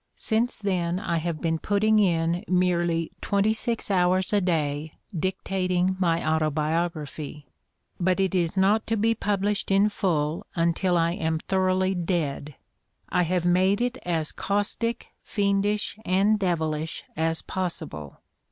Since then I have been putting in merely twenty six hours a day dictating my autobiography. ... But it is not to be published in full until I am thoroughly dead: I have made it as caustic, fiendish and devilish an possible.